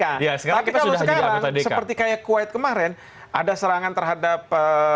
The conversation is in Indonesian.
tapi kalau sekarang seperti kayak kuwait kemarin terhadap